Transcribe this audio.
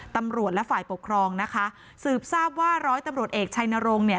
ตำรวจและฝ่ายปกครองนะคะสืบทราบว่าร้อยตำรวจเอกชัยนรงค์เนี่ย